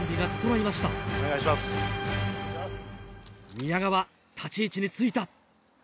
宮川、立ち位置についた。